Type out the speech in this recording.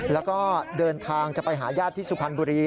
แล้วก็เดินทางจะไปหาญาติที่สุพรรณบุรี